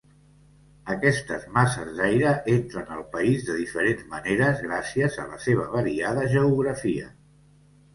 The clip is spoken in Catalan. Aquestes masses d'aire entren al país de diferents maneres gràcies a la seva variada geografia.